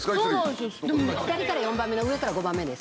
左から４番目の上から５番目です。